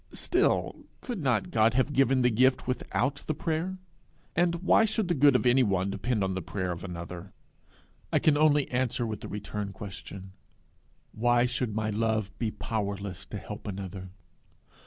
'Still, could not God have given the gift without the prayer? And why should the good of any one depend on the prayer of another?' I can only answer with the return question, 'Why should my love be powerless to help another?'